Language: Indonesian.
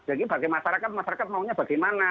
jadi bagi masyarakat masyarakat maunya bagaimana